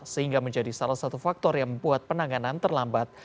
sehingga menjadi salah satu faktor yang membuat penanganan terlambat